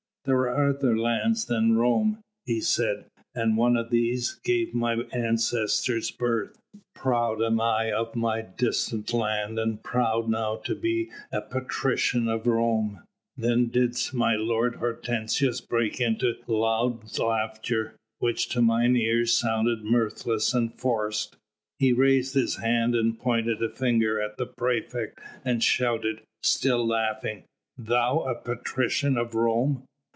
'There are other lands than Rome,' he said, 'and one of these gave my ancestors birth. Proud am I of my distant land, and proud now to be a patrician of Rome.' Then did my lord Hortensius break into loud laughter, which to mine ears sounded mirthless and forced. He raised his hand and pointed a finger at the praefect and shouted, still laughing: 'Thou a patrician of Rome?